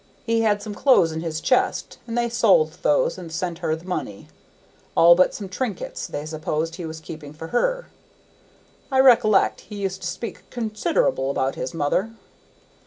He had some clothes in his chest, and they sold those and sent her the money, all but some trinkets they supposed he was keeping for her; I rec'lect he used to speak consider'ble about his mother.